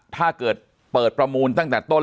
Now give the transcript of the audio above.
ถ้าเกิดเปิดประมูลตั้งแต่ต้น